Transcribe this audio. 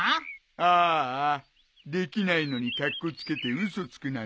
ああできないのにかっこつけて嘘つくなんてさ。